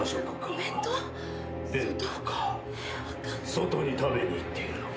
外に食べに行っているのか。